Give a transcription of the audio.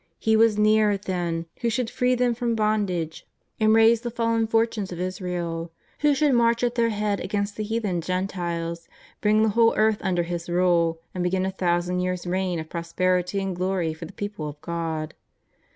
He was near, then, who should free them from bondage and raise the 117 118 JESUS OF NAZARETH. fallen fortunes of Israel ; who shonld march at their head against the heathen Gentiles, bring the whole earth nnder His rule, and begin a thousand years' reign of prosperity and glory for the people of God